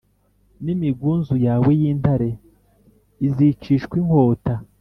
n’imigunzu yawe y’intare izicishwa inkota